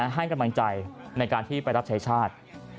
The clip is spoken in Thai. ให้กำลังใจในการที่ไปรับใช้ชาติ